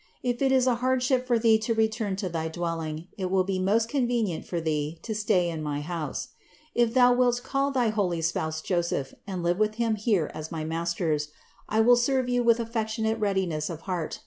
If it is a hardship for Thee to return to thy dwelling, it will be most convenient for Thee to stay in my house. If Thou wilt call thy holy spouse Joseph and live with him here as my masters, I will serve you with 216 CITY OF GOD affectionate readiness of heart.